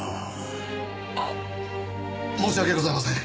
あっ申し訳ございません。